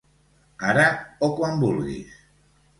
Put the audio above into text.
Ara, o quan vulguis.